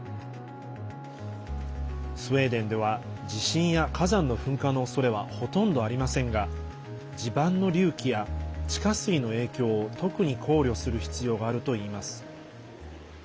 スウェーデンでは地震や火山の噴火のおそれはほとんどありませんが地盤の隆起や、地下水の影響を特に考慮する必要があるといいます。